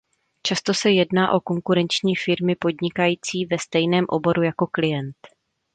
Často se jedná o konkurenční firmy podnikající ve stejném oboru jako klient.